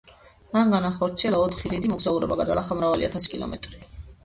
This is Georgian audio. მან განახორციელა ოთხი დიდი მოგზაურობა, გადალახა მრავალი ათასი კილომეტრი.